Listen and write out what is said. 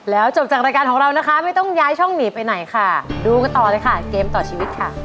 แล้วจบจากรายการของเรานะคะไม่ต้องย้ายช่องหนีไปไหนค่ะดูกันต่อเลยค่ะเกมต่อชีวิตค่ะ